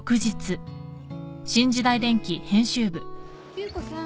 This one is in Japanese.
優子さん。